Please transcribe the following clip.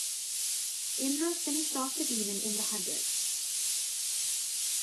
Indra finished off the demon in the hundredth.